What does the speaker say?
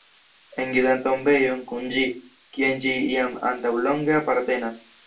En judan tombejon kun ĝi, kien ĝi jam antaŭ longe apartenas.